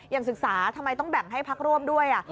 ศึกษาทำไมต้องแบ่งให้พักร่วมด้วย